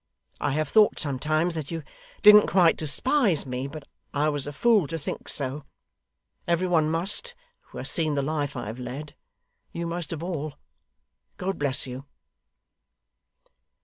I have thought sometimes that you didn't quite despise me, but I was a fool to think so. Every one must, who has seen the life I have led you most of all. God bless you!